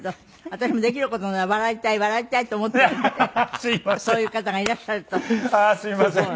私もできる事なら笑いたい笑いたいと思ってるんでそういう方がいらっしゃると。ああすみません。